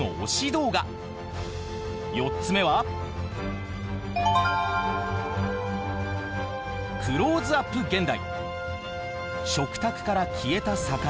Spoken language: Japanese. ４つ目は「クローズアップ現代」。